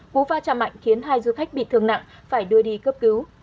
cú va chạm mạnh khiến hai du khách bị thương nặng phải đưa đi cấp cứu